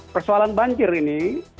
persoalan banjir ini